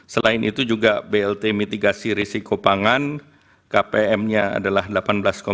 selain itu juga blt mitigasi risiko pangan kpm nya adalah delapan belas empat